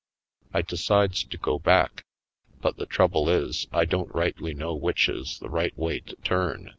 I decides to go back, but the trouble is I don't rightly know which is the right way to turn.